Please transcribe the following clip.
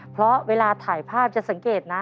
เพราะเวลาถ่ายภาพจะสังเกตนะ